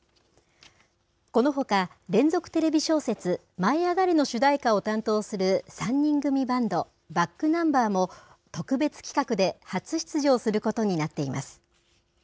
このほか、連続テレビ小説、舞いあがれ！の主題歌を担当する３人組バンド、ｂａｃｋｎｕｍｂｅｒも特別企画で初出場することになっています。